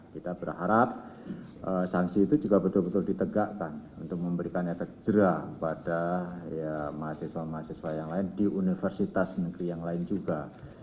kita berharap sanksi itu juga betul betul ditegakkan untuk memberikan efek jerah pada mahasiswa mahasiswa yang lain di universitas negeri yang lain juga